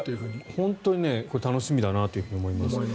本当にこれは楽しみだなと思います。